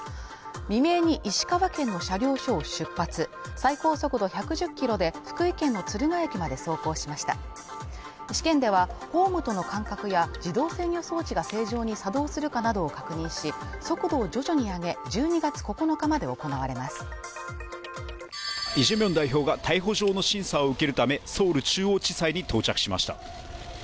未明に石川県の車両所を出発最高速度１１０キロで福井県の敦賀駅まで走行しました試験ではホームとの間隔や自動制御装置が正常に作動するかなどを確認し速度を徐々に上げ１２月９日まで行われますイ・ジェミョン代表が逮捕状の審査を受けるためソウル中央地裁に到着しました